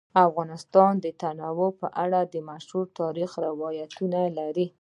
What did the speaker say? افغانستان د تنوع په اړه مشهور تاریخی روایتونه لري.